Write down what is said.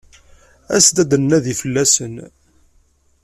As-d ad d-nnadi fell-asen.